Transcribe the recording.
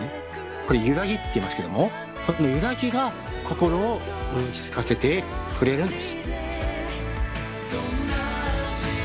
これをゆらぎっていいますけどもこのゆらぎが心を落ち着かせてくれるんです。